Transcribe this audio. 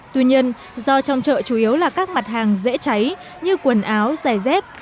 tuy nhiên do trong chợ chủ yếu là các mặt hàng dễ cháy như quần áo giày dép